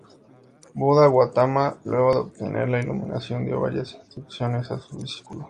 Buda Gautama luego de obtener la iluminación dio varias instrucciones a sus discípulos.